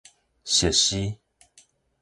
熟悉